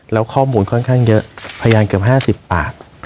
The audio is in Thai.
แล้วข้อมูลค่อนข้างเยอะพยานเกือบ๕๐ปาก